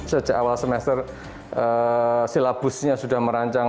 sejak awal semester silabusnya sudah merancang